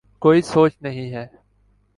کوئی سوچ نہیں ہے۔